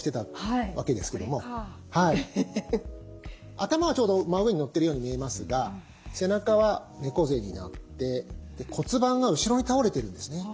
頭はちょうど真上にのってるように見えますが背中は猫背になって骨盤が後ろに倒れてるんですね。